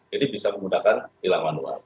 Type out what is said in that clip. jadi bisa menggunakan tilang manual